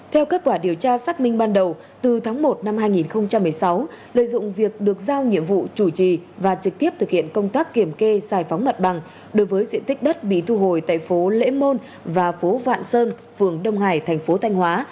theo kết quả điều tra xác minh ban đầu từ tháng một năm hai nghìn một mươi sáu lợi dụng việc được giao nhiệm vụ chủ trì và trực tiếp thực hiện công tác kiểm kê giải phóng mặt bằng đối với diện tích đất bị thu hồi tại phố lễ môn và phố vạn sơn phường đông hải thành phố thanh hóa